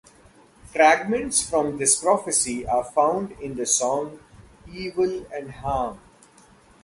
Fragments from this prophecy are found in the song "Evil and Harm".